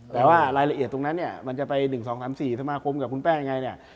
แต่ว่ารายละเอียดตรงนั้นเนี่ยมันจะไป๑๒๓๔สมาคมกับคุณแป้งยังไงเนี่ย